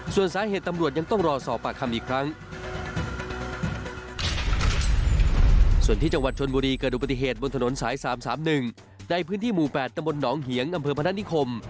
ส่วนที่จังหวัดชนบุรีเกิดอุปัติเหตุบนถนนสาย๓๓๑ในพื้นที่หมู่๘ตะบนหนองเหยียงอำเภอพนันธนิคม